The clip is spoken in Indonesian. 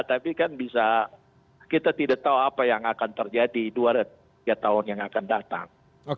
tapi kan bisa kita tidak tahu apa yang akan terjadi dua tiga tahun yang akan datang